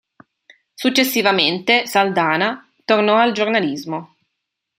Successivamente Saldanha tornò al giornalismo.